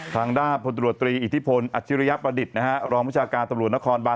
ทางด้านพลตรวจตรีอิทธิพลอัจฉริยประดิษฐ์นะฮะรองวิชาการตำรวจนครบาน